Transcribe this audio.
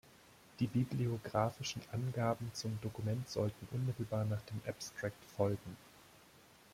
Die bibliografischen Angaben zum Dokument sollten unmittelbar nach dem Abstract folgen.